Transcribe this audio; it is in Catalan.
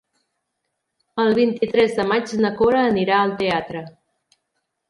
El vint-i-tres de maig na Cora anirà al teatre.